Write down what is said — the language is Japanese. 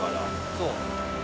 そう！